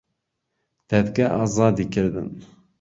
دادگا ئازادی کردن